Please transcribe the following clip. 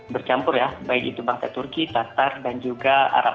bercampur ya baik itu bangsa turki qatar dan juga arab